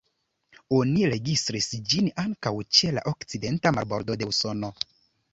Oni registris ĝin ankaŭ ĉe la okcidenta marbordo de Usono.